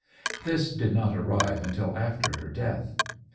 This did not arrive until after her death.